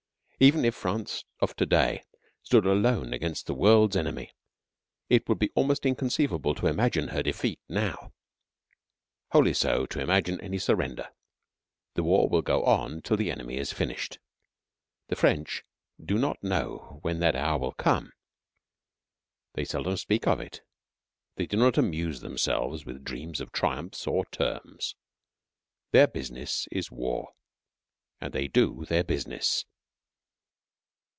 Even if France of to day stood alone against the world's enemy, it would be almost inconceivable to imagine her defeat now; wholly so to imagine any surrender. The war will go on till the enemy is finished. The French do not know when that hour will come; they seldom speak of it; they do not amuse themselves with dreams of triumphs or terms. Their business is war, and they do their business.